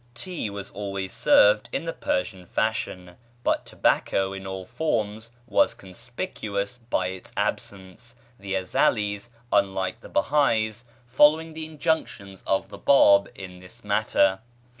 [page xxvi] Tea was always served in the Persian fashion, but tobacco in all forms was conspicuous by its absence, the Ezelís, unlike the Behá'ís, following the injunctions of the Báb in this matter.